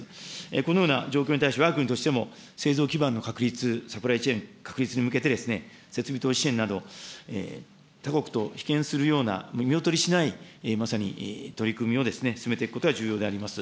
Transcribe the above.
このような状況に対して、わが国としても製造基盤の確立、サプライチェーンの確立に向けて、設備等支援など、他国と比肩するような見劣りしないまさに取り組みを進めていくことが重要であります。